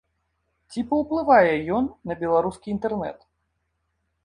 Ці паўплывае ён на беларускі інтэрнэт?